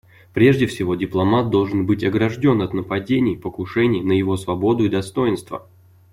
Прежде всего, дипломат должен быть огражден от нападений, покушений на его свободу и достоинство.